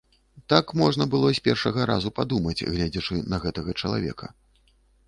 Так можна было з першага разу падумаць, гледзячы на гэтага чалавека.